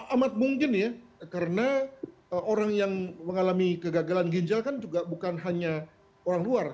amat mungkin ya karena orang yang mengalami kegagalan ginjal kan juga bukan hanya orang luar